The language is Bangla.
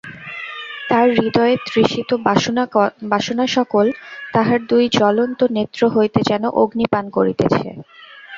তাঁহার হৃদয়ের তৃষিত বাসনাসকল তাঁহার দুই জ্বলন্ত নেত্র হইতে যেন অগ্নি পান করিতেছে।